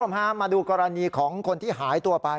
ขอบคุณผู้ชมฮามาดูกรณีของคนที่หายตัวไป